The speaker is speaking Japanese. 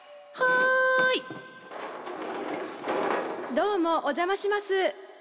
どうもお邪魔します。